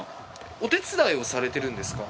お手伝いをされてるんですか？